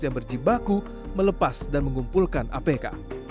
yang berji baku melepas dan mengumpulkan apk